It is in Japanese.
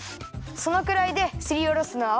そのくらいですりおろすのはオッケー！